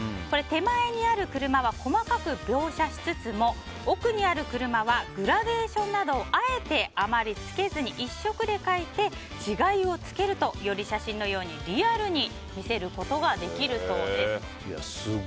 手前にある車は細かく描写しつつも奥にある車はグラデーションなどを、あえてあまりつけずに１色で描いて違いをつけるとより写真のようにリアルに見せることができるそうです。